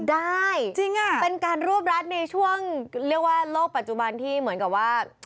ได้จริงเป็นการรวบรัดในช่วงเรียกว่าโลกปัจจุบันที่เหมือนกับว่า